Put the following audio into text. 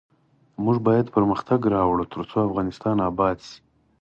موږ باید پرمختګ راوړو ، ترڅو افغانستان اباد شي.